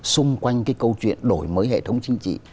xung quanh cái câu chuyện đổi mới hệ thống chính trị